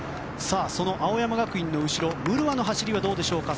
その青山学院の後ろムルワの走りはどうでしょうか。